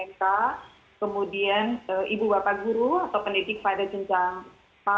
kemudian ibu bapak guru atau pendidik pada junjang taur